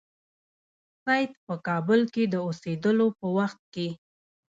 سید په کابل کې د اوسېدلو په وخت کې.